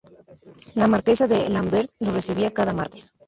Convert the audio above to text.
La marquesa de Lambert los recibía cada martes.